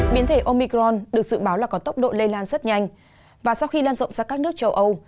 biến thể omicron được dự báo là có tốc độ lây lan rất nhanh và sau khi lan rộng ra các nước châu âu